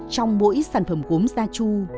trong mỗi sản phẩm gốm gia tru